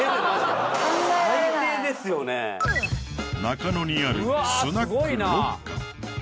中野にあるスナック六佳